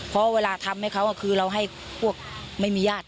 เพราะเวลาทำให้เขาคือเราให้พวกไม่มีญาติ